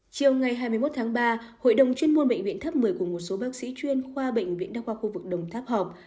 chiều ngày hai mươi một tháng ba hội đồng chuyên môn bệnh viện tháp một mươi cùng một số bác sĩ chuyên khoa bệnh viện đa khoa khu vực đồng tháp họp